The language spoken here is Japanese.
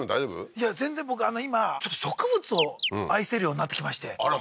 いや全然僕今ちょっと植物を愛せるようになってきましてあらま